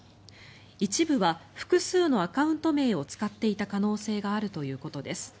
一部は複数のアカウント名を使っていた可能性があるということです。